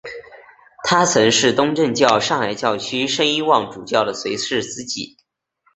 他曾是东正教上海教区圣伊望主教的随侍司祭。